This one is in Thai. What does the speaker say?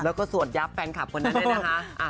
แล้วก็สวดยับแฟนคลับคนนั้นเนี่ยนะคะ